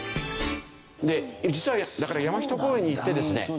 実はだから山下公園に行ってですね